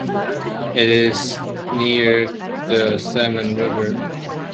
It is near the Salmon River.